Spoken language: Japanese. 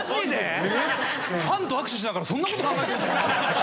ファンと握手しながらそんな事考えてるの？